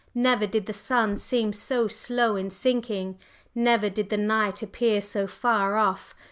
Never did the sun seem so slow in sinking; never did the night appear so far off.